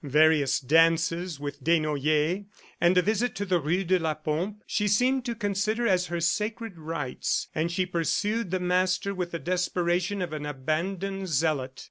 Various dances with Desnoyers and a visit to the rue de la Pompe she seemed to consider as her sacred rights, and she pursued the master with the desperation of an abandoned zealot.